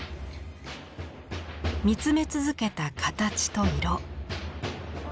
見つめ続けた形と色。